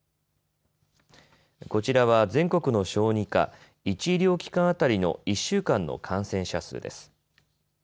こちらは全国の小児科、１医療機関当たりの１週間の感染者数です。